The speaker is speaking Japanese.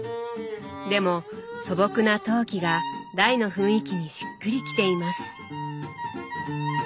でも素朴な陶器が台の雰囲気にしっくりきています。